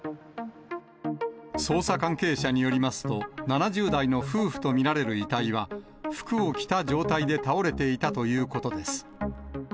捜査関係者によりますと、７０代の夫婦と見られる遺体は、服を着た状態で倒れていたということです。